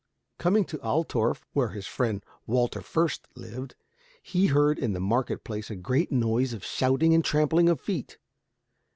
Coming to Altorf, where his friend Walter Fürst lived, he heard in the market place a great noise of shouting and trampling of feet.